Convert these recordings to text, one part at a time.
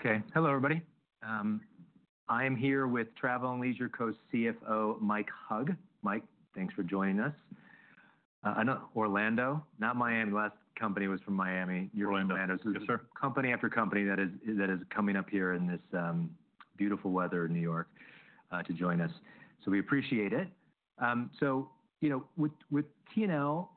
Okay. Hello, everybody. I am here with Travel + Leisure Co CFO, Mike Hug. Mike, thanks for joining us. I know Orlando, not Miami. Last company was from Miami. Orlando, yes, sir. You're from company after company that is coming up here in this beautiful weather in New York, to join us. So we appreciate it. So, you know, with T&L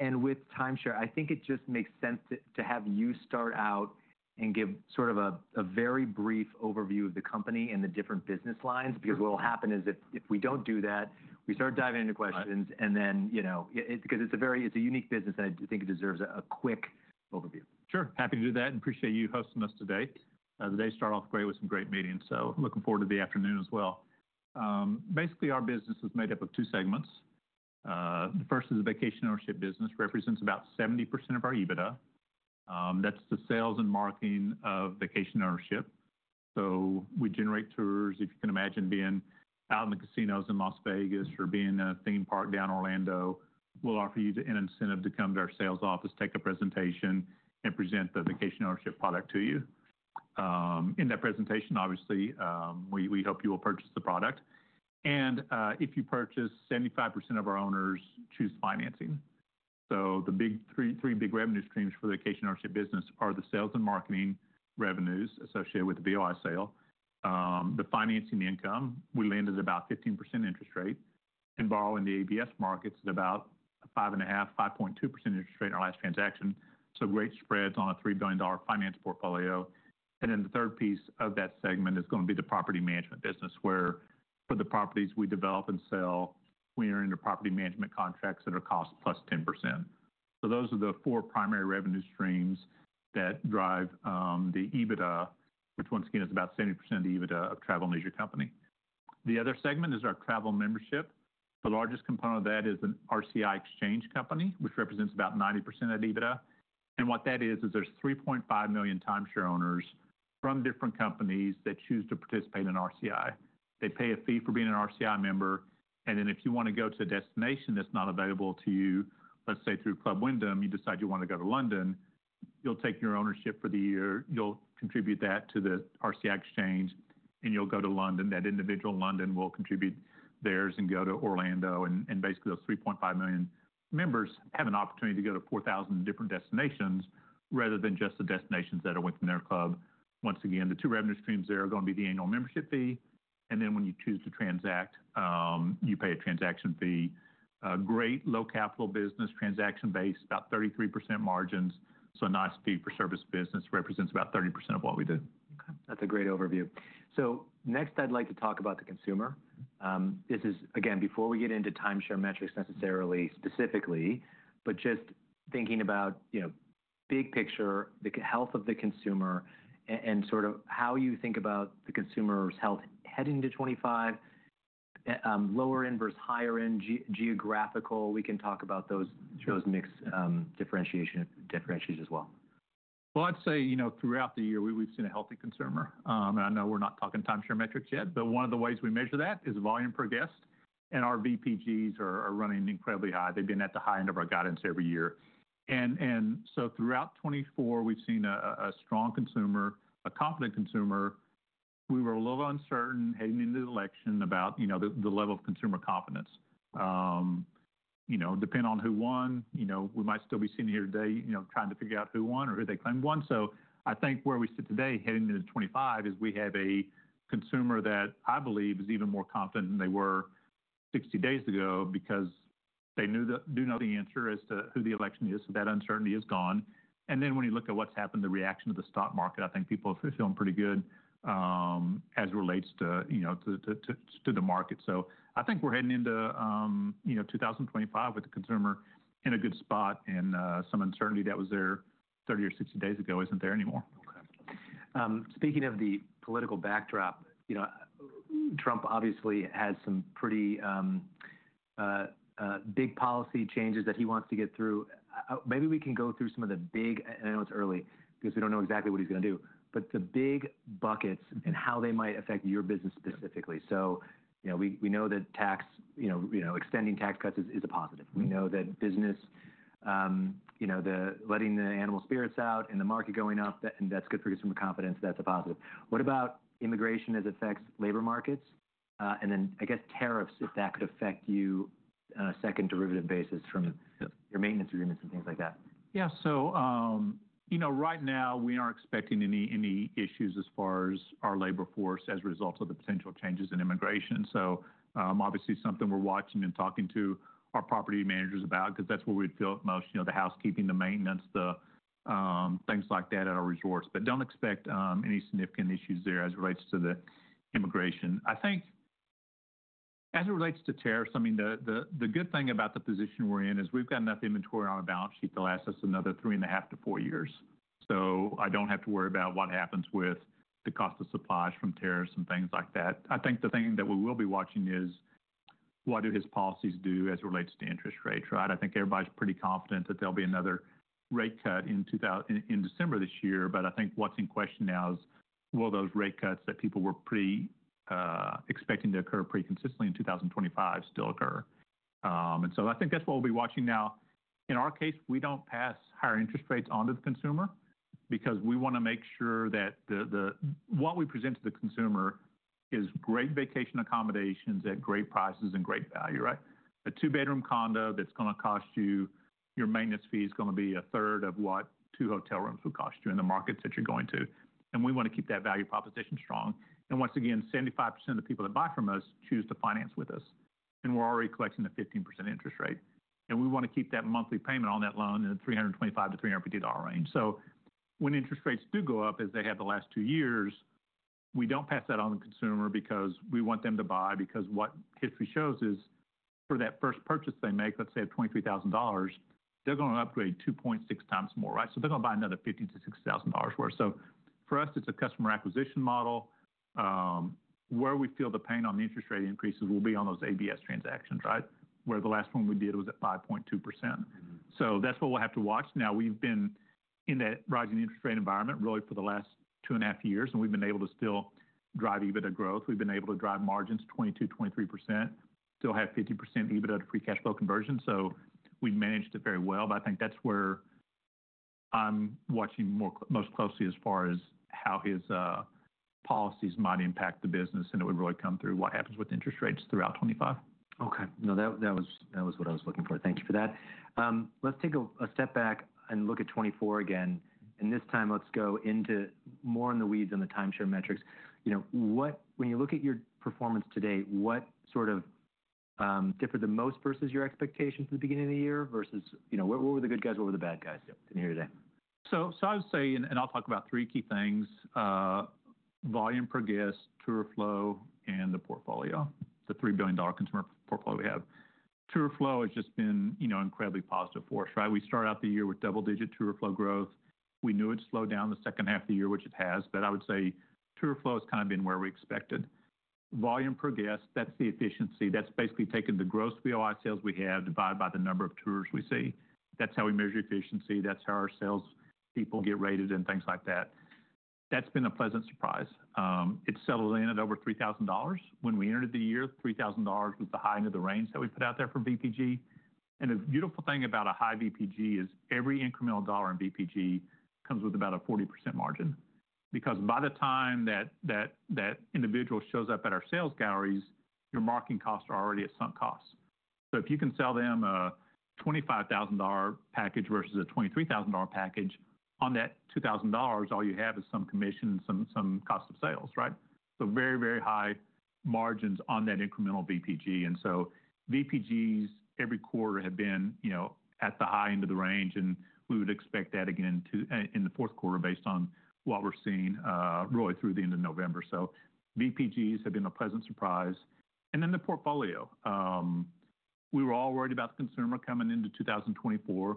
and Timeshare I think it just makes sense to have you start out and give sort of a very brief overview of the company and the different business lines. Sure. Because what'll happen is if we don't do that, we start diving into questions and then, you know, it because it's a very unique business and I think it deserves a quick overview. Sure. Happy to do that and appreciate you hosting us today. The day started off great with some great meetings, so looking forward to the afternoon as well. Basically our business is made up of two segments. The first is a vacation ownership business. Represents about 70% of our EBITDA. That's the sales and marketing of vacation ownership. So we generate tours, if you can imagine, being out in the casinos in Las Vegas or being in a theme park in Orlando. We'll offer you an incentive to come to our sales office, take a presentation, and present the vacation ownership product to you. In that presentation, obviously, we, we hope you will purchase the product and, if you purchase, 75% of our owners choose financing. So the big three, three big revenue streams for the vacation ownership business are the sales and marketing revenues associated with the VOI sale. The financing income, we landed at about 15% interest rate. And borrowing the ABS markets at about 5.5-5.2% interest rate in our last transaction. So great spreads on a $3 billion finance portfolio. And then the third piece of that segment is gonna be the property management business where for the properties we develop and sell, we are in the property management contracts that are cost +10%. So those are the four primary revenue streams that drive the EBITDA, which once again is about 70% of the EBITDA of Travel + Leisure Company. The other segment is our travel membership. The largest component of that is an RCI exchange company, which represents about 90% of EBITDA. And what that is, is there's 3.5 million timeshare owners from different companies that choose to participate in RCI. They pay a fee for being an RCI member. And then if you wanna go to a destination that's not available to you, let's say through Club Wyndham, you decide you wanna go to London, you'll take your ownership for the year, you'll contribute that to the RCI exchange, and you'll go to London. That individual in London will contribute theirs and go to Orlando. And basically those 3.5 million members have an opportunity to go to 4,000 different destinations rather than just the destinations that are within their club. Once again, the two revenue streams there are gonna be the annual membership fee. And then when you choose to transact, you pay a transaction fee. Great low capital business, transaction base, about 33% margins. So a nice fee for service business represents about 30% of what we do. Okay. That's a great overview. So next I'd like to talk about the consumer. This is again, before we get into Timeshare metrics necessarily specifically, but just thinking about, you know, big picture, the health of the consumer and sort of how you think about the consumer's health heading into 2025, lower end versus higher end geographical. We can talk about those. Sure. Those mix, differentiation as well. Well, I'd say, you know, throughout the year we, we've seen a healthy consumer, and I know we're not talking timeshare metrics yet, but one of the ways we measure that is volume per guest. And our VPGs are running incredibly high. They've been at the high end of our guidance every year. And so throughout 2024 we've seen a strong consumer, a confident consumer. We were a little uncertain heading into the election about, you know, the level of consumer confidence. You know, depending on who won, you know, we might still be sitting here today, you know, trying to figure out who won or who they claimed won. I think where we sit today heading into 2025 is we have a consumer that I believe is even more confident than they were 60 days ago because they now know the answer as to who won the election. So that uncertainty is gone. And then when you look at what's happened, the reaction to the stock market, I think people are feeling pretty good, as it relates to, you know, the market. So I think we're heading into, you know, 2025 with the consumer in a good spot and some uncertainty that was there 30 or 60 days ago isn't there anymore. Okay. Speaking of the political backdrop, you know, Trump obviously has some pretty big policy changes that he wants to get through. Maybe we can go through some of the big. I know it's early because we don't know exactly what he's gonna do, but the big buckets and how they might affect your business specifically. So, you know, we know that tax, you know, extending tax cuts is a positive. We know that business, you know, the letting the animal spirits out and the market going up, that, and that's good for consumer confidence. That's a positive. What about immigration as it affects labor markets? And then I guess tariffs, if that could affect you on a second derivative basis from. Yep. Your maintenance agreements and things like that. Yeah. So, you know, right now we aren't expecting any issues as far as our labor force as a result of the potential changes in immigration. So, obviously something we're watching and talking to our property managers about 'cause that's where we'd feel most, you know, the housekeeping, the maintenance, things like that at our resorts. But don't expect any significant issues there as it relates to the immigration. I think as it relates to tariffs, I mean, the good thing about the position we're in is we've got enough inventory on our balance sheet to last us another three and a half to four years. So I don't have to worry about what happens with the cost of supplies from tariffs and things like that. I think the thing that we will be watching is what do his policies do as it relates to interest rates, right? I think everybody's pretty confident that there'll be another rate cut in 2024 in December this year. But I think what's in question now is will those rate cuts that people were pretty expecting to occur pretty consistently in 2025 still occur? And so, I think that's what we'll be watching now. In our case, we don't pass higher interest rates onto the consumer because we wanna make sure that the, the, what we present to the consumer is great vacation accommodations at great prices and great value, right? A two-bedroom condo that's gonna cost you, your maintenance fee is gonna be a third of what two hotel rooms would cost you in the markets that you're going to. And we wanna keep that value proposition strong. And once again, 75% of the people that buy from us choose to finance with us. And we're already collecting a 15% interest rate. And we wanna keep that monthly payment on that loan in the $325-$350 range. So when interest rates do go up as they have the last two years, we don't pass that on the consumer because we want them to buy because what history shows is for that first purchase they make, let's say of $23,000, they're gonna upgrade 2.6x more, right? So they're gonna buy another $50,000-$60,000 worth. So for us, it's a customer acquisition model where we feel the pain on the interest rate increases will be on those ABS transactions, right? Where the last one we did was at 5.2%. So that's what we'll have to watch. Now, we've been in that rising interest rate environment really for the last two and a half years, and we've been able to still drive EBITDA growth. We've been able to drive margins 22%-23%, still have 50% EBITDA to free cash flow conversion. So we managed it very well. But I think that's where I'm watching more close, most closely as far as how his policies might impact the business and it would really come through what happens with interest rates throughout 2025. Okay. No, that was what I was looking for. Thank you for that. Let's take a step back and look at 2024 again and this time let's go into more in the weeds on the timeshare metrics. You know, what, when you look at your performance today, what sort of differed the most versus your expectations at the beginning of the year versus, you know, what were the good guys, what were the bad guys in here today? So, I would say, and I'll talk about three key things, volume per guest, tour flow, and the portfolio, the $3 billion consumer portfolio we have. Tour flow has just been, you know, incredibly positive for us, right? We start out the year with double-digit tour flow growth. We knew it slowed down the second half of the year, which it has. But I would say tour flow has kind of been where we expected. Volume per guest, that's the efficiency. That's basically taking the gross VOI sales we have divided by the number of tours we see. That's how we measure efficiency. That's how our salespeople get rated and things like that. That's been a pleasant surprise. It settled in at over $3,000 when we entered the year. $3,000 was the high end of the range that we put out there for VPG. And the beautiful thing about a high VPG is every incremental dollar in VPG comes with about a 40% margin because by the time that individual shows up at our sales galleries, your marketing costs are already at sunk costs. So if you can sell them a $25,000 package versus a $23,000 package, on that $2,000, all you have is some commission and some cost of sales, right? So very, very high margins on that incremental VPG. And so VPGs every quarter have been, you know, at the high end of the range. And we would expect that again to, in the fourth quarter based on what we're seeing, really through the end of November. So VPGs have been a pleasant surprise. And then the portfolio, we were all worried about the consumer coming into 2024.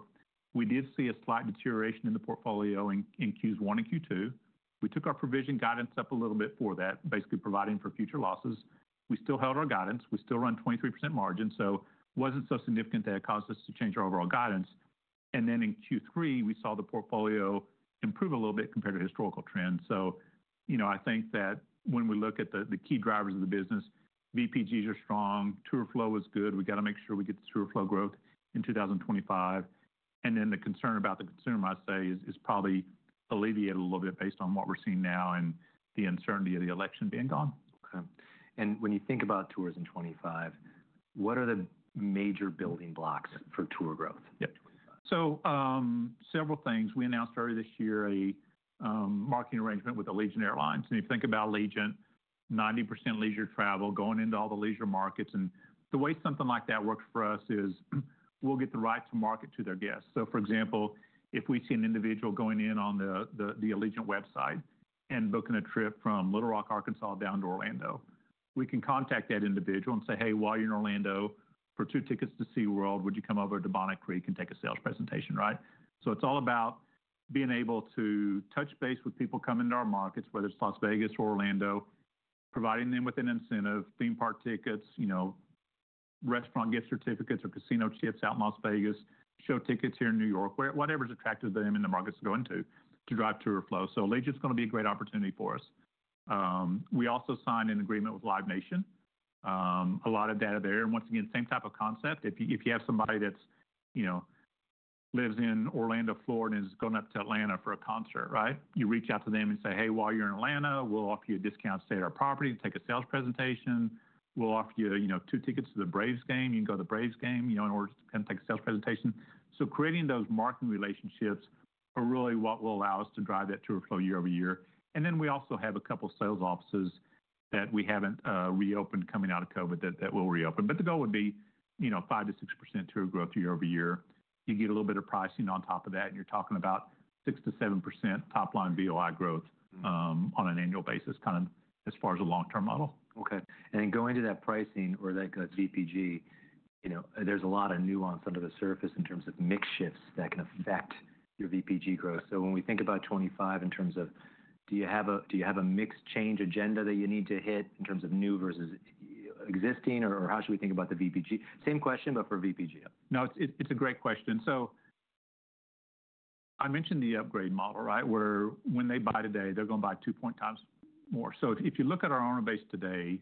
We did see a slight deterioration in the portfolio in Q1 and Q2. We took our provision guidance up a little bit for that, basically providing for future losses. We still held our guidance. We still run 23% margin. So it wasn't so significant that it caused us to change our overall guidance. And then in Q3, we saw the portfolio improve a little bit compared to historical trends. So, you know, I think that when we look at the key drivers of the business, VPGs are strong. Tour flow is good. We gotta make sure we get the tour flow growth in 2025. And then the concern about the consumer, I'd say, is probably alleviated a little bit based on what we're seeing now and the uncertainty of the election being gone. Okay. And when you think about tours in 2025, what are the major building blocks for tour growth? Yep. So, several things. We announced early this year a marketing arrangement with Allegiant Air. And if you think about Allegiant, 90% leisure travel going into all the leisure markets. And the way something like that works for us is we'll get the right to market to their guests. So for example, if we see an individual going in on the Allegiant website and booking a trip from Little Rock, Arkansas down to Orlando, we can contact that individual and say, "Hey, while you're in Orlando, for two tickets to SeaWorld, would you come over to Bonnet Creek and take a sales presentation," right? So it's all about being able to touch base with people coming to our markets, whether it's Las Vegas or Orlando, providing them with an incentive, theme park tickets, you know, restaurant gift certificates or casino chips out in Las Vegas, show tickets here in New York, wherever's attractive to them in the markets to go into to drive tour flow. Allegiant's gonna be a great opportunity for us. We also signed an agreement with Live Nation. A lot of data there. Once again, same type of concept. If you have somebody that's, you know, lives in Orlando, Florida and is going up to Atlanta for a concert, right? You reach out to them and say, "Hey, while you're in Atlanta, we'll offer you a discount to stay at our property and take a sales presentation. We'll offer you, you know, two tickets to the Braves game. You can go to the Braves game, you know, in order to come take a sales presentation. So creating those marketing relationships are really what will allow us to drive that tour flow year over year. And then we also have a couple of sales offices that we haven't reopened coming out of COVID that will reopen. But the goal would be, you know, 5%-6% tour growth year over year. You get a little bit of pricing on top of that, and you're talking about 6%-7% top line VOI growth, on an annual basis kind of as far as a long-term model. Okay. And then, going to that pricing or that VPG, you know, there's a lot of nuance under the surface in terms of mix shifts that can affect your VPG growth. So when we think about 2025 in terms of, do you have a mixed change agenda that you need to hit in terms of new versus existing or how should we think about the VPG? Same question, but for VPG. No, it's a great question. So I mentioned the upgrade model, right, where when they buy today, they're gonna buy two point times more. So if you look at our owner base today,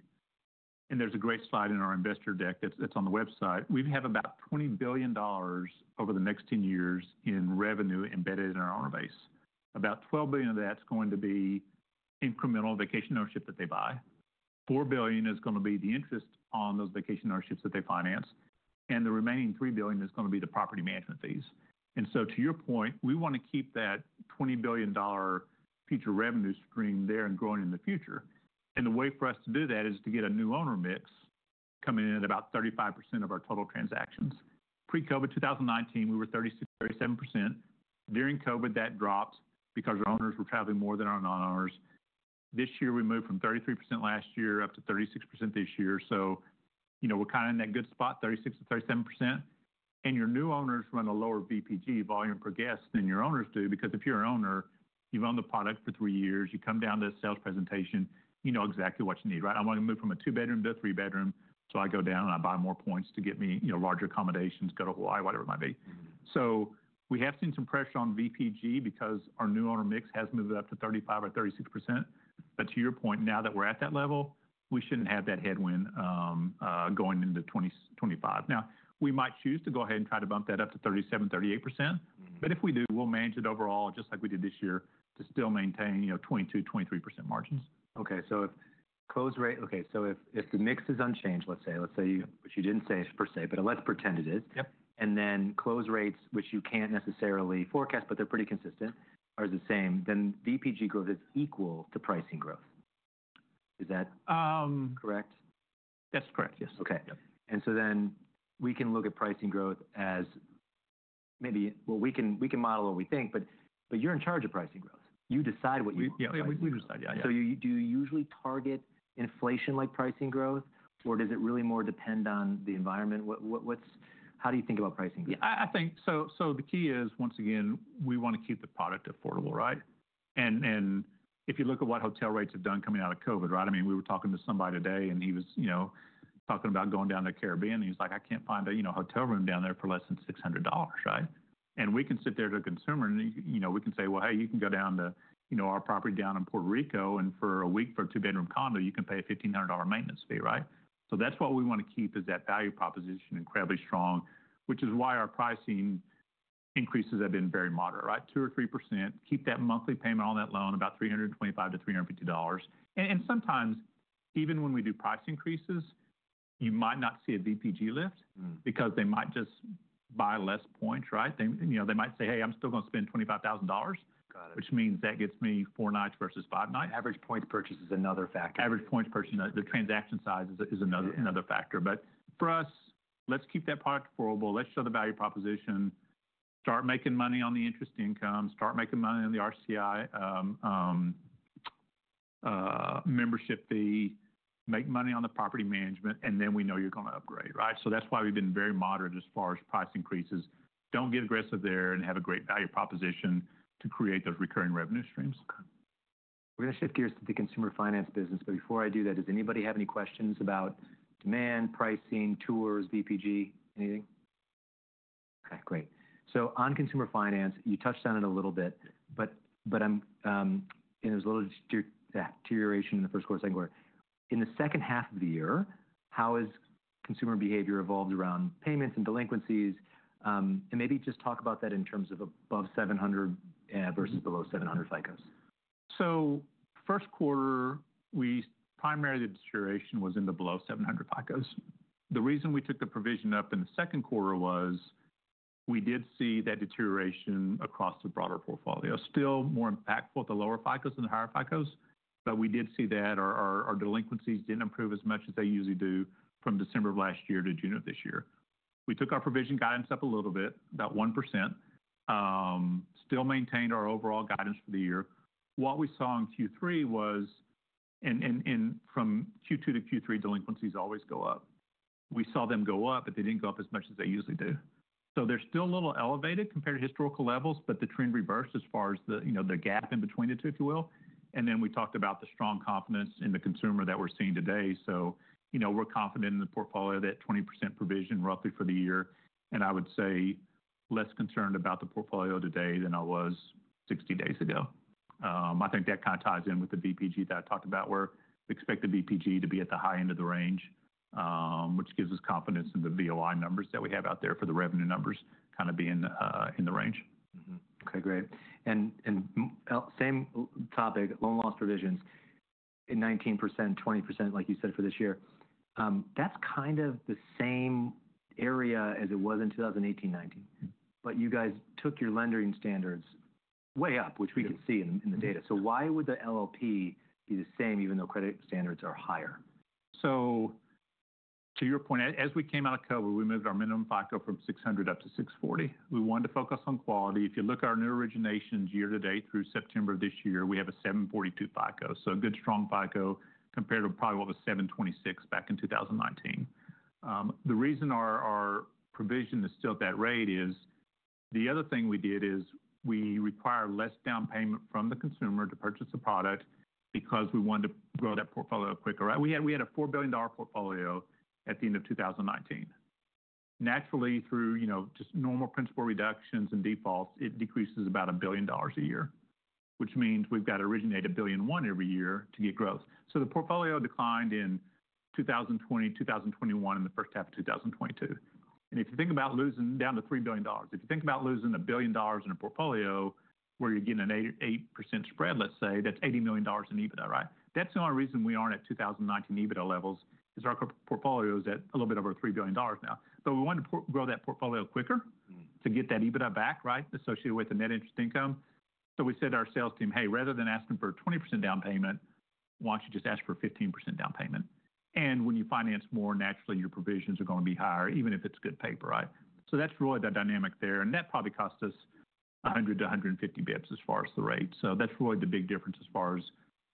and there's a great slide in our investor deck that's on the website, we have about $20 billion over the next 10 years in revenue embedded in our owner base. About $12 billion of that's going to be incremental vacation ownership that they buy. $4 billion is gonna be the interest on those vacation ownerships that they finance. And the remaining $3 billion is gonna be the property management fees. And so to your point, we wanna keep that $20 billion future revenue stream there and growing in the future. And the way for us to do that is to get a new owner mix coming in at about 35% of our total transactions. Pre-COVID, 2019, we were 36-37%. During COVID, that dropped because our owners were traveling more than our non-owners. This year, we moved from 33% last year up to 36% this year, so, you know, we're kind of in that good spot, 36-37%, and your new owners run a lower VPG volume per guest than your owners do because if you're an owner, you've owned the product for three years, you come down to a sales presentation, you know exactly what you need, right, I'm gonna move from a two-bedroom to a three-bedroom, so I go down and I buy more points to get me, you know, larger accommodations, go to Hawaii, whatever it might be, so we have seen some pressure on VPG because our new owner mix has moved up to 35% or 36%. But to your point, now that we're at that level, we shouldn't have that headwind, going into 2025. Now, we might choose to go ahead and try to bump that up to 37%-38%. But if we do, we'll manage it overall just like we did this year to still maintain, you know, 22%-23% margins. Okay. So if close rate, if the mix is unchanged, let's say you, which you didn't say per se, but let's pretend it is. Yep. Close rates, which you can't necessarily forecast, but they're pretty consistent or is the same, then VPG growth is equal to pricing growth. Is that correct? That's correct. Yes. Okay. And so then we can look at pricing growth as maybe, well, we can model what we think, but you're in charge of pricing growth. You decide what you. Yeah. Yeah. We decide. Yeah. Yeah. So, do you usually target inflation-like pricing growth or does it really more depend on the environment? How do you think about pricing growth? Yeah. I think so. So the key is, once again, we wanna keep the product affordable, right? And if you look at what hotel rates have done coming out of COVID, right? I mean, we were talking to somebody today and he was, you know, talking about going down to the Caribbean. He's like, "I can't find a, you know, hotel room down there for less than $600," right? And we can sit there to the consumer and, you know, we can say, "Well, hey, you can go down to, you know, our property down in Puerto Rico and for a week for a two-bedroom condo, you can pay a $1,500 maintenance fee," right? So that's what we wanna keep is that value proposition incredibly strong, which is why our pricing increases have been very moderate, right? Two or three%. Keep that monthly payment on that loan about $325-$350. And sometimes even when we do price increases, you might not see a VPG lift because they might just buy less points, right? They, you know, they might say, "Hey, I'm still gonna spend $25,000. Got it. Which means that gets me four nights versus five nights. Average points purchase is another factor. Average points purchase, the transaction size is another factor. But for us, let's keep that product affordable. Let's show the value proposition, start making money on the interest income, start making money on the RCI membership fee, make money on the property management, and then we know you're gonna upgrade, right? So, that's why we've been very moderate as far as price increases. Don't get aggressive there and have a great value proposition to create those recurring revenue streams. Okay. We're gonna shift gears to the consumer finance business. But before I do that, does anybody have any questions about demand, pricing, tours, VPG, anything? Okay. Great. So on consumer finance, you touched on it a little bit, but I'm, and there's a little deterioration in the first quarter, second quarter. In the second half of the year, how has consumer behavior evolved around payments and delinquencies? And maybe just talk about that in terms of above 700, versus below 700 FICOs. First quarter, we primarily the deterioration was in the below 700 FICOs. The reason we took the provision up in the second quarter was we did see that deterioration across the broader portfolio. Still more impactful at the lower FICOs than the higher FICOs, but we did see that our delinquencies didn't improve as much as they usually do from December of last year to June of this year. We took our provision guidance up a little bit, about 1%, still maintained our overall guidance for the year. What we saw in Q3 was, from Q2 to Q3, delinquencies always go up. We saw them go up, but they didn't go up as much as they usually do. So they're still a little elevated compared to historical levels, but the trend reversed as far as the, you know, the gap in between the two, if you will. And then we talked about the strong confidence in the consumer that we're seeing today. So, you know, we're confident in the portfolio that 20% provision roughly for the year. And I would say less concerned about the portfolio today than I was 60 days ago. I think that kind of ties in with the VPG that I talked about where we expect the VPG to be at the high end of the range, which gives us confidence in the VOI numbers that we have out there for the revenue numbers kind of being, in the range. Mm-hmm. Okay. Great. And same topic, loan loss provisions at 19%, 20%, like you said for this year. That's kind of the same area as it was in 2018, 2019, but you guys took your lending standards way up, which we can see in the data. So why would the LLP be the same even though credit standards are higher? So to your point, as we came out of COVID, we moved our minimum FICO from 600 up to 640. We wanted to focus on quality. If you look at our new originations year to date through September of this year, we have a 742 FICO. So a good, strong FICO compared to probably what was 726 back in 2019. The reason our provision is still at that rate is the other thing we did is we require less down payment from the consumer to purchase a product because we wanted to grow that portfolio quicker, right? We had a $4 billion portfolio at the end of 2019. Naturally, through you know, just normal principal reductions and defaults, it decreases about a billion dollars a year, which means we've got to originate a billion one every year to get growth. So the portfolio declined in 2020, 2021, and the first half of 2022. And if you think about losing down to $3 billion, if you think about losing $1 billion in a portfolio where you're getting an 8.8% spread, let's say that's $80 million in EBITDA, right? That's the only reason we aren't at 2019 EBITDA levels is our portfolio is at a little bit over $3 billion now. But we wanted to grow that portfolio quicker to get that EBITDA back, right, associated with the net interest income. So we said to our sales team, "Hey, rather than asking for a 20% down payment, why don't you just ask for a 15% down payment?" And when you finance more, naturally your provisions are gonna be higher even if it's good paper, right? So that's really the dynamic there. And that probably costs us 100-150 basis points as far as the rate. So that's really the big difference as far as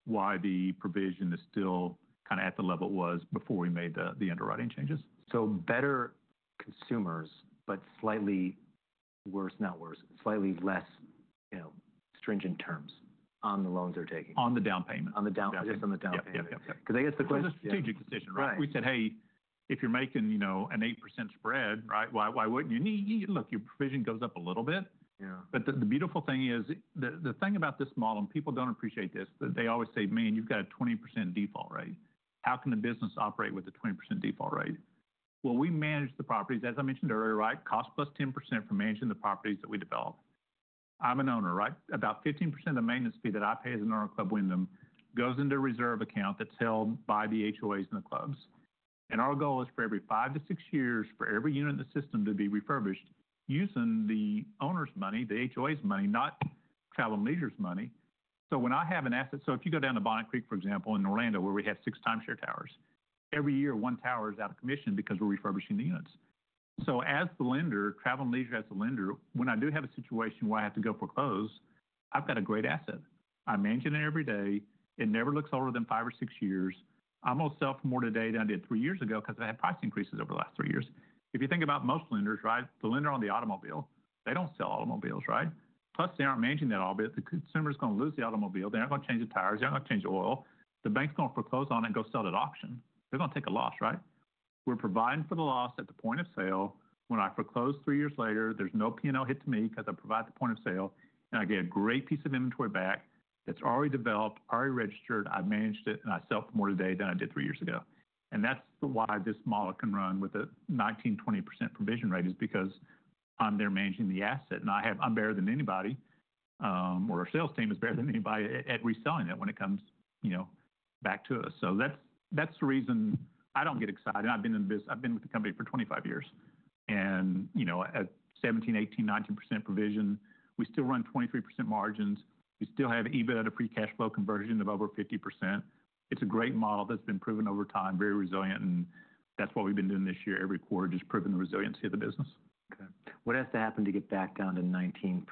why the provision is still kind of at the level it was before we made the underwriting changes. So better consumers, but slightly worse, not worse, slightly less, you know, stringent terms on the loans they're taking. On the down payment. Just on the down payment. Yeah. Yeah. Okay. 'Cause I guess the question. It's a strategic decision, right? Right. We said, "Hey, if you're making, you know, an 8% spread, right, why, why wouldn't you?" Look, your provision goes up a little bit. Yeah. But the beautiful thing is the thing about this model, and people don't appreciate this, that they always say, "Man, you've got a 20% default rate. How can the business operate with a 20% default rate?" Well, we manage the properties, as I mentioned earlier, right? Cost plus 10% for managing the properties that we develop. I'm an owner, right? About 15% of the maintenance fee that I pay as an owner of Club Wyndham goes into a reserve account that's held by the HOAs and the clubs. And our goal is for every five to six years for every unit in the system to be refurbished using the owner's money, the HOA's money, not Travel + Leisure's money. So when I have an asset, so if you go down to Bonnet Creek, for example, in Orlando where we have six timeshare towers, every year one tower is out of commission because we're refurbishing the units. So as the lender, Travel + Leisure as the lender, when I do have a situation where I have to go foreclose, I've got a great asset. I manage it every day. It never looks older than five or six years. I'm gonna sell for more today than I did three years ago 'cause I've had price increases over the last three years. If you think about most lenders, right, the lender on the automobile, they don't sell automobiles, right? Plus they aren't managing that all, but the consumer's gonna lose the automobile. They're not gonna change the tires. They're not gonna change the oil. The bank's gonna foreclose on it and go sell it at auction. They're gonna take a loss, right? We're providing for the loss at the point of sale. When I foreclose three years later, there's no P&L hit to me 'cause I provide the point of sale and I get a great piece of inventory back that's already developed, already registered. I've managed it and I sell for more today than I did three years ago, and that's why this model can run with a 19%-20% provision rate is because I'm there managing the asset and I have, I'm better than anybody, or our sales team is better than anybody at reselling it when it comes, you know, back to us, so that's the reason I don't get excited. I've been in the business, I've been with the company for 25 years. You know, at 17%, 18%, 19% provision, we still run 23% margins. We still have EBITDA to free cash flow conversion of over 50%. It's a great model that's been proven over time, very resilient. That's what we've been doing this year every quarter, just proving the resiliency of the business. Okay. What has to happen to get back down to 19%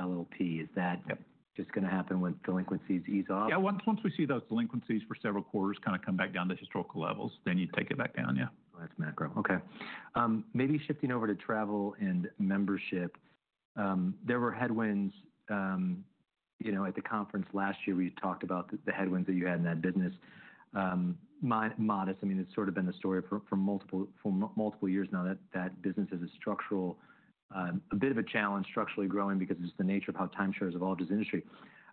LLP? Is that. Yep. Just gonna happen when delinquencies ease off? Yeah. Once we see those delinquencies for several quarters kind of come back down to historical levels, then you take it back down. Yeah. That's macro. Okay. Maybe shifting over to Travel & Membership. There were headwinds, you know, at the conference last year where you talked about the headwinds that you had in that business. Modest, I mean, it's sort of been the story for multiple years now that that business is a structural, a bit of a challenge structurally growing because of just the nature of how timeshares evolved as an industry.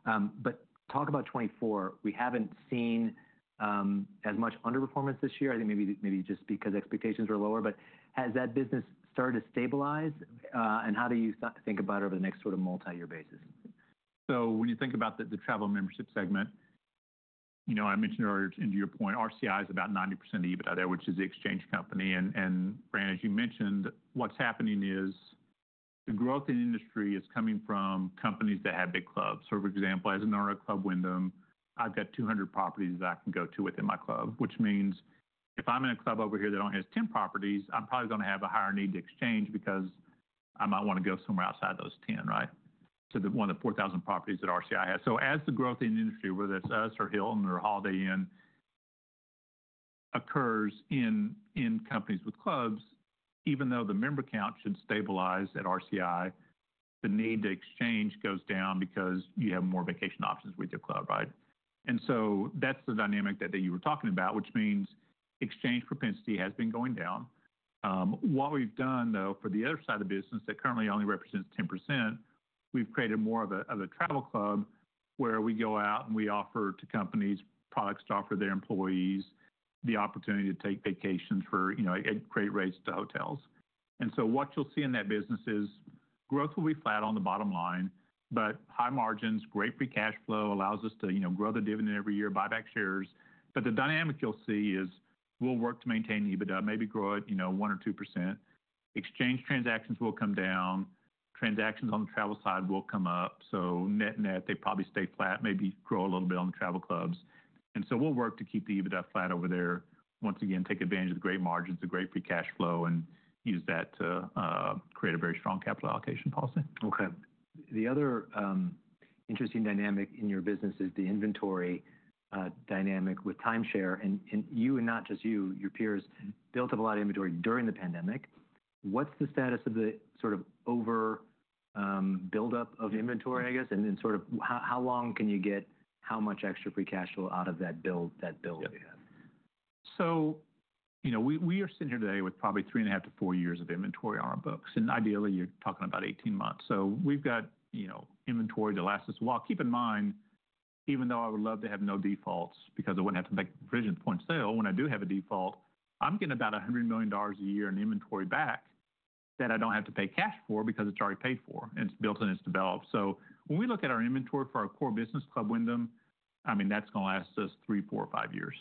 But talk about 2024. We haven't seen as much underperformance this year. I think maybe just because expectations were lower. But has that business started to stabilize? And how do you think about it over the next sort of multi-year basis? So when you think about the Travel & Membership segment, you know, I mentioned earlier, to your point, RCI is about 90% of EBITDA there, which is the exchange company. And Fran, as you mentioned, what's happening is the growth in the industry is coming from companies that have big clubs. So for example, as an owner of Club Wyndham, I've got 200 properties that I can go to within my club, which means, if I'm in a club over here that only has 10 properties, I'm probably gonna have a higher need to exchange because I might wanna go somewhere outside those 10, right? To one of the 4,000 properties that RCI has. So as the growth in the industry, whether it's us or Hilton or Holiday Inn occurs in companies with clubs, even though the member count should stabilize at RCI, the need to exchange goes down because you have more vacation options with your club, right? And so that's the dynamic that you were talking about, which means exchange propensity has been going down. What we've done though for the other side of the business that currently only represents 10%, we've created more of a travel club where we go out and we offer to companies products to offer their employees the opportunity to take vacations for, you know, at great rates to hotels. And so what you'll see in that business is growth will be flat on the bottom line, but high margins, great free cash flow allows us to, you know, grow the dividend every year, buy back shares. But the dynamic you'll see is we'll work to maintain EBITDA, maybe grow it, you know, 1% or 2%. Exchange transactions will come down. Transactions on the travel side will come up. So net, net they probably stay flat, maybe grow a little bit on the travel clubs. And so we'll work to keep the EBITDA flat over there. Once again, take advantage of the great margins, the great free cash flow, and use that to create a very strong capital allocation policy. Okay. The other interesting dynamic in your business is the inventory dynamic with timeshare. And you, not just you, your peers built up a lot of inventory during the pandemic. What's the status of the sort of overbuildup of inventory, I guess? And sort of how long can you get how much extra free cash flow out of that build that you have? Yeah. So, you know, we are sitting here today with probably three and a half to four years of inventory on our books, and ideally, you're talking about 18 months, so we've got, you know, inventory to last us a while. Keep in mind, even though I would love to have no defaults because I wouldn't have to make provision point sale, when I do have a default, I'm getting about $100 million a year in inventory back that I don't have to pay cash for because it's already paid for and it's built and it's developed, so when we look at our inventory for our core business, Club Wyndham, I mean, that's gonna last us three, four, five years.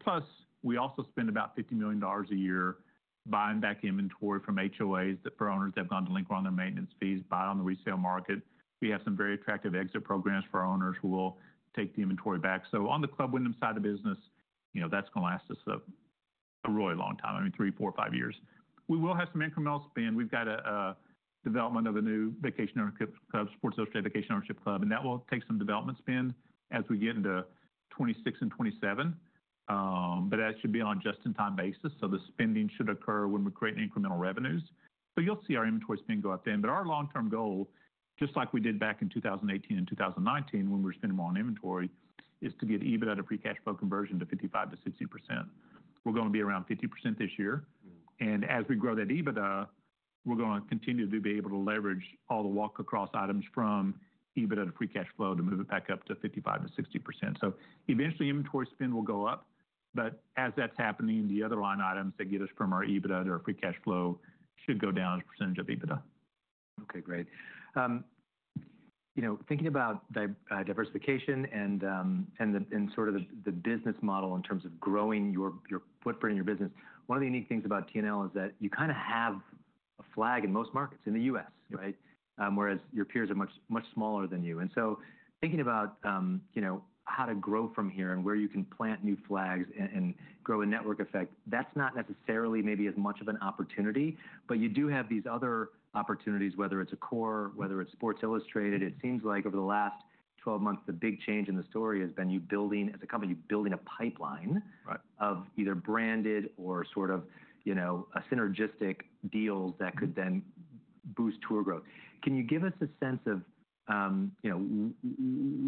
Plus we also spend about $50 million a year buying back inventory from HOAs that, for owners that have gone to lien on their maintenance fees, buy on the resale market. We have some very attractive exit programs for owners who will take the inventory back. So on the Club Wyndham side of business, you know, that's gonna last us a really long time. I mean, three, four, five years. We will have some incremental spend. We've got a development of a new vacation ownership club, Sports Illustrated Vacation Ownership Club, and that will take some development spend as we get into 2026 and 2027. But that should be on a just-in-time basis. So the spending should occur when we create incremental revenues. But you'll see our inventory spend go up then. But our long-term goal, just like we did back in 2018 and 2019 when we were spending more on inventory, is to get EBITDA to Free Cash Flow conversion to 55%-60%. We're gonna be around 50% this year. And as we grow that EBITDA, we're gonna continue to be able to leverage all the walk-across items from EBITDA to Free Cash Flow to move it back up to 55%-60%. So eventually inventory spend will go up, but as that's happening, the other line items that get us from our EBITDA to our Free Cash Flow should go down as a percentage of EBITDA. Okay. Great. You know, thinking about diversification and sort of the business model in terms of growing your, your footprint in your business, one of the unique things about T&L is that you kind of have a flag in most markets in the U.S., right? Whereas your peers are much, much smaller than you, and so thinking about, you know, how to grow from here and where you can plant new flags and grow a network effect, that's not necessarily maybe as much of an opportunity, but you do have these other opportunities, whether it's Accor, whether it's Sports Illustrated. It seems like over the last 12 months, the big change in the story has been you building as a company, you building a pipeline. Right. Of either branded or sort of, you know, synergistic deals that could then boost tour growth. Can you give us a sense of, you know,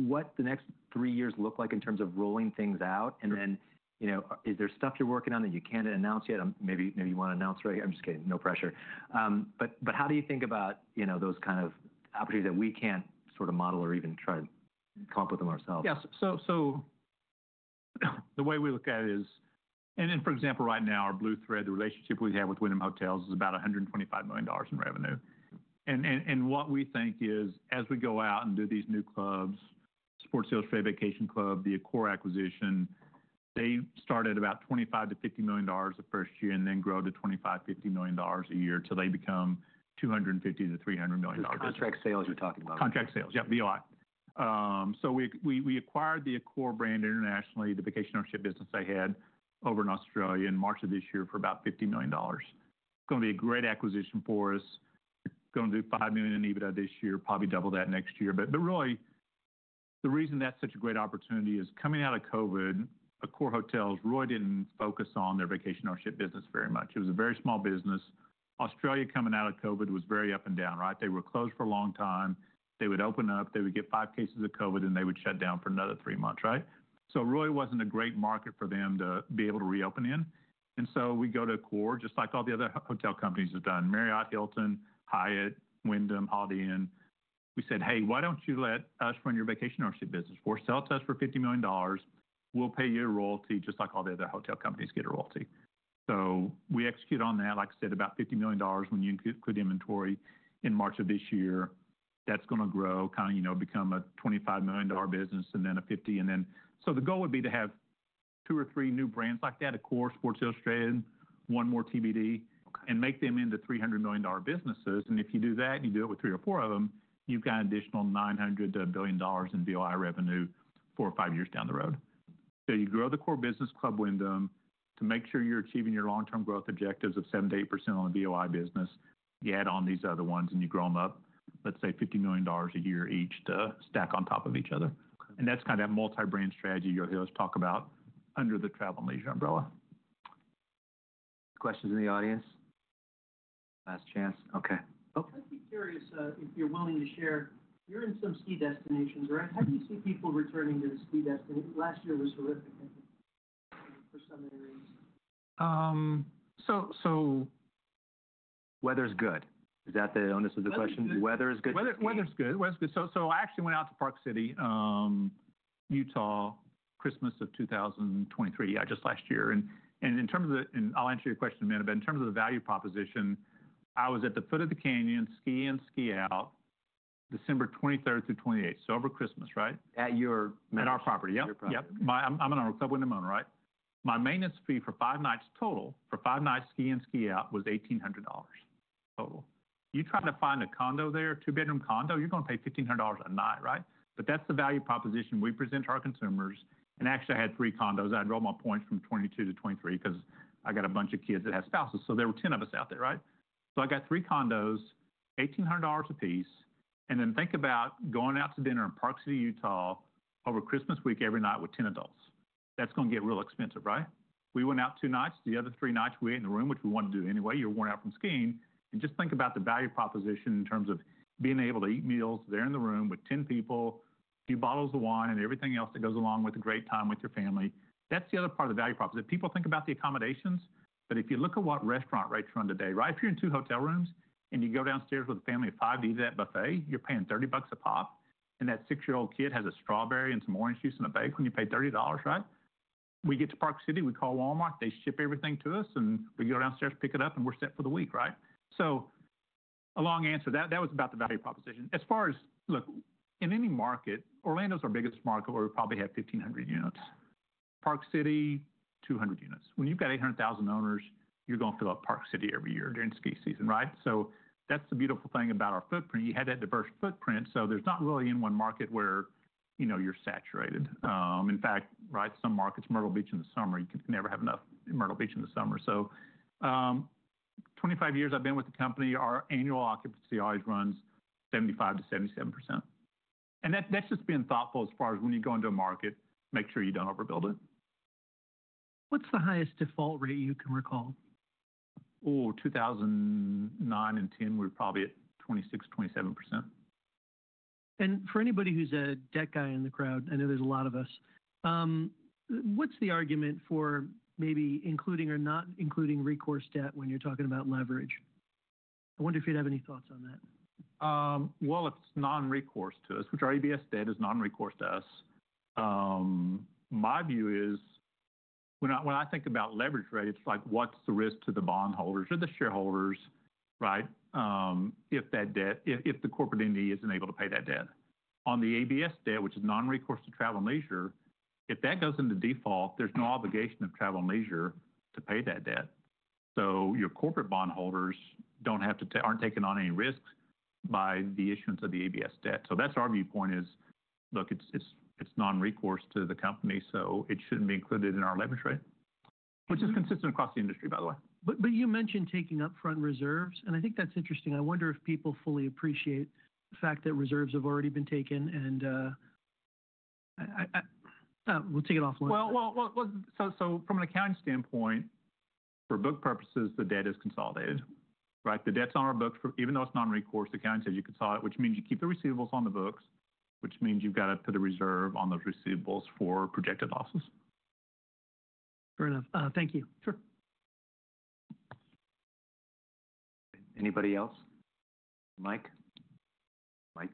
what the next three years look like in terms of rolling things out? And then, you know, is there stuff you're working on that you can't announce yet? Maybe you wanna announce right here. I'm just kidding. No pressure. But how do you think about, you know, those kind of opportunities that we can't sort of model or even try to come up with them ourselves? Yeah. So the way we look at it is, and for example, right now our Blue Thread, the relationship we have with Wyndham Hotels is about $125 million in revenue. And what we think is as we go out and do these new clubs, Sports Illustrated Vacation Club, the Accor acquisition, they start at about $25-$50 million the first year and then grow to $25-$50 million a year till they become $250-$300 million. The contract sales you're talking about. Contract sales. Yep. VOI. We acquired the Accor brand internationally, the vacation ownership business they had over in Australia in March of this year for about $50 million. It's gonna be a great acquisition for us. It's gonna do 5 million in EBITDA this year, probably double that next year. But really the reason that's such a great opportunity is coming out of COVID, the Accor hotels really didn't focus on their vacation ownership business very much. It was a very small business. Australia coming out of COVID was very up and down, right? They were closed for a long time. They would open up, they would get five cases of COVID, and they would shut down for another three months, right? So really wasn't a great market for them to be able to reopen in. And so we go to Accor, just like all the other hotel companies have done, Marriott, Hilton, Hyatt, Wyndham, Holiday Inn. We said, "Hey, why don't you let us run your vacation ownership business? We're selling to us for $50 million. We'll pay you a royalty just like all the other hotel companies get a royalty." So we execute on that. Like I said, about $50 million when you include inventory in March of this year. That's gonna grow, kind of, you know, become a $25 million business and then a $50. And then so the goal would be to have two or three new brands like that, an Accor, Sports Illustrated, one more TBD. Okay. And make them into $300 million businesses. And if you do that and you do it with three or four of them, you've got an additional $900 billion in VOI revenue four or five years down the road. So you grow the core business, Club Wyndham, to make sure you're achieving your long-term growth objectives of 7%-8% on the VOI business. You add on these other ones and you grow them up, let's say, $50 million a year each to stack on top of each other. Okay. That's kind of that multi-brand strategy you'll hear us talk about under the Travel + Leisure umbrella. Questions in the audience? Last chance. Okay. Oh. I'd be curious, if you're willing to share, you're in some ski destinations, right? How do you see people returning to the ski destination? Last year was horrific for some areas. So, so weather's good. Is that the onus of the question? Yes. Weather's good. I actually went out to Park City, Utah, Christmas of 2023, yeah, just last year. In terms of the value proposition, I'll answer your question in a minute, but I was at the foot of the canyon, ski in, ski out, December 23rd through 28th, so over Christmas, right? At your. At our property. Yep. Your property. Yep. I'm a Club Wyndham owner, right? My maintenance fee for five nights total, for five nights ski in, ski out, was $1,800 total. You try to find a condo there, a two-bedroom condo, you're gonna pay $1,500 a night, right? But that's the value proposition we present to our consumers. And actually, I had three condos. I enrolled my points from 2022 to 2023 'cause I got a bunch of kids that have spouses. So there were 10 of us out there, right? So I got three condos, $1,800 a piece. And then think about going out to dinner in Park City, Utah, over Christmas week every night with 10 adults. That's gonna get real expensive, right? We went out two nights. The other three nights we ate in the room, which we wanted to do anyway. You're worn out from skiing. Just think about the value proposition in terms of being able to eat meals there in the room with 10 people, a few bottles of wine, and everything else that goes along with a great time with your family. That's the other part of the value proposition. People think about the accommodations, but if you look at what restaurant rates run today, right? If you're in two hotel rooms and you go downstairs with a family of five to eat at that buffet, you're paying $30 a pop. And that six-year-old kid has a strawberry and some orange juice and a bake when you pay $30, right? We get to Park City, we call Walmart, they ship everything to us, and we go downstairs, pick it up, and we're set for the week, right? A long answer. That, that was about the value proposition. As far as, look, in any market, Orlando's our biggest market where we probably have 1,500 units. Park City, 200 units. When you've got 800,000 owners, you're gonna fill up Park City every year during ski season, right? So that's the beautiful thing about our footprint. You had that diverse footprint. So there's not really any one market where, you know, you're saturated. In fact, right, some markets, Myrtle Beach in the summer, you can never have enough Myrtle Beach in the summer. So, 25 years I've been with the company, our annual occupancy always runs 75%-77%. And that, that's just being thoughtful as far as when you go into a market, make sure you don't overbuild it. What's the highest default rate you can recall? Oh, 2009 and 2010, we were probably at 26%-27%. And for anybody who's a debt guy in the crowd, I know there's a lot of us. What's the argument for maybe including or not including recourse debt when you're talking about leverage? I wonder if you'd have any thoughts on that. Well, it's non-recourse to us, which our ABS debt is non-recourse to us. My view is when I think about leverage, right? It's like, what's the risk to the bondholders or the shareholders, right? If that debt, if the corporate entity isn't able to pay that debt. On the ABS debt, which is non-recourse to Travel + Leisure, if that goes into default, there's no obligation of Travel + Leisure to pay that debt. So your corporate bondholders don't have to take, aren't taking on any risks by the issuance of the ABS debt. So that's our viewpoint. Look, it's non-recourse to the company, so it shouldn't be included in our leverage rate, which is consistent across the industry, by the way. But you mentioned taking upfront reserves, and I think that's interesting. I wonder if people fully appreciate the fact that reserves have already been taken, and we'll take it offline. Well, so from an accounting standpoint, for book purposes, the debt is consolidated, right? The debt's on our books, even though it's non-recourse, the accounting says you consolidate, which means you keep the receivables on the books, which means you've got to put a reserve on those receivables for projected losses. Fair enough. Thank you. Sure. Anybody else? Mike? Mike,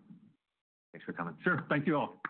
thanks for coming. Sure. Thank you all.